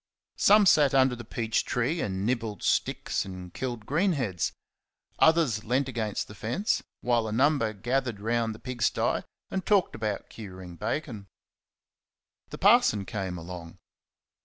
Some sat under the peach tree and nibbled sticks and killed green heads; others leant against the fence; while a number gathered round the pig sty and talked about curing bacon. The parson came along.